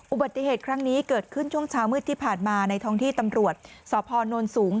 อุบัติเหตุครั้งนี้เกิดขึ้นช่วงเช้ามืดที่ผ่านมาในท้องที่ตำรวจสพนสูง